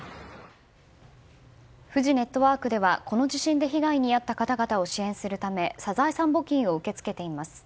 フジネットワークではこの地震で被害に遭った方々を支援するためサザエさん募金を受け付けています。